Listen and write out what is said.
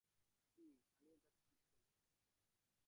কি, পালিয়ে যাচ্ছিস কেন?